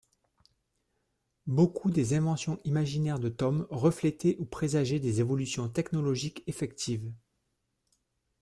Beaucoup des inventions imaginaires de Tom reflétaient ou présageaient des évolutions technologiques effectives.